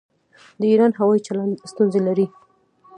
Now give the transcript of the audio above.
د ایران هوايي چلند ستونزې لري.